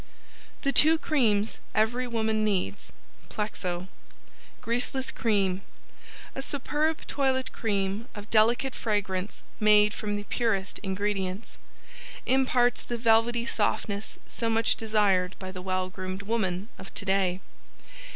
The Two Creams Every Woman Needs PLEXO Greaseless Cream A superb toilet cream of delicate fragrance made from the purest ingredients. Imparts the velvety softness so much desired by the well groomed woman of today.